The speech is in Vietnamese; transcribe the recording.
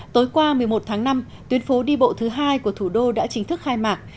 tối qua một mươi một tháng năm tuyến phố đi bộ thứ hai của thủ đô đã chính thức khai mạc